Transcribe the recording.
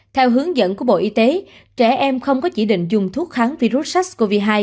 theo hướng dẫn của bộ y tế trẻ em không có chỉ định dùng thuốc kháng virus sars cov hai